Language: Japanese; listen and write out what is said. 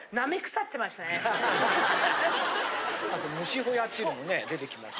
あと蒸しホヤっていうのもね出てきました。